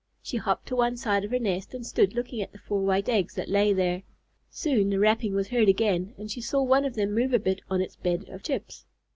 She hopped to one side of her nest and stood looking at the four white eggs that lay there. Soon the rapping was heard again and she saw one of them move a bit on its bed of chips.